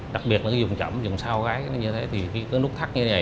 đặc biệt là cái dùng chẩm dùng sao gái như thế thì cái nút thắt như thế này